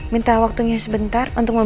minta waktunya sebentar untuk